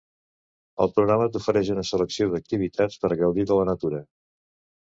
El programa t'ofereix una selecció d'activitats per gaudir de la natura.